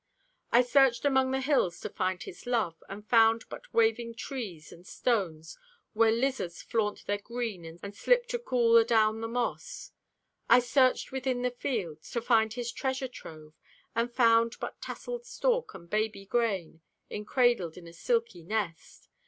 I searched among the hills to find His love, And found but waving trees, and stones Where lizards flaunt their green and slip to cool Adown the moss. I searched within the field To find His treasure trove, and found but tasseled stalk And baby grain, encradled in a silky nest.